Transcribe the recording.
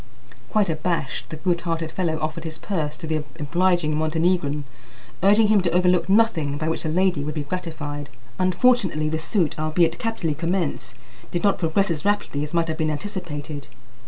Quite abashed, the good hearted fellow offered his purse to the obliging Montenegrin, urging him to overlook nothing by which the lady would be gratified. Unfortunately the suit, albeit capitally commenced, did not progress as rapidly as might have been anticipated.